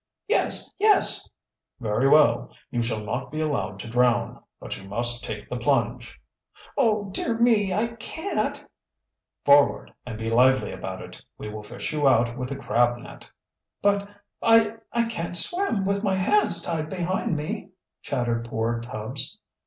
"Yes, yes!" "Very well, you shall not be allowed to drown. But you must take the plunge." "Oh, dear me! I can't " "Forward, and be lively about it. We will fish you out with a crab net." "But I I can't swim with my hands tied behind me!" chattered poor Tubbs.